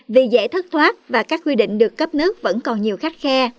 vì dễ thất thoát và các quy định được cấp nước vẫn còn nhiều khắc khe